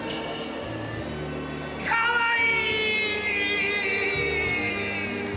かわいい！